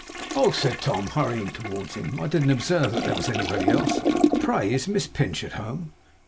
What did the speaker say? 'Oh!' said Tom, hurrying towards him. 'I didn't observe that there was anybody else. Pray is Miss Pinch at home?